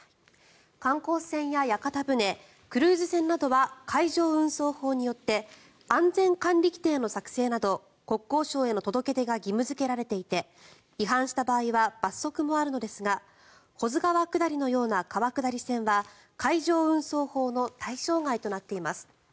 観光船や屋形船クルーズ船などは海上運送法によって安全管理規定の作成など国交省への届け出が義務付けられていて違反した場合は罰則もあるのですが保津川下りのような川下り船は海上運送法の対象外となっています。